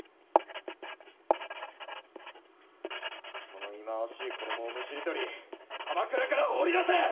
その忌まわしい衣をむしり取り鎌倉から放り出せ！